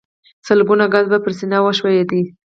سلګونه ګزه به پر سينه وښويېد.